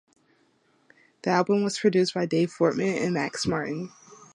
The album was produced by Dave Fortman and Max Martin.